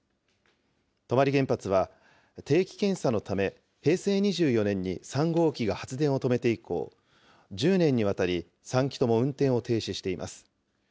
泊原発は定期検査のため平成２４年に３号機が発電を止めて以降、１０年にわたり３基とも運転を停止しています。